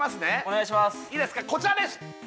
いいですかこちらです！